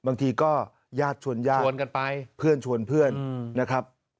บางทีก็ญาติชวนญาติเพื่อนชวนเพื่อนนะครับ